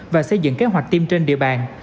và xây dựng kế hoạch tiêm trên địa bàn